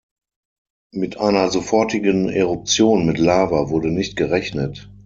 Mit einer sofortigen Eruption mit Lava wurde nicht gerechnet.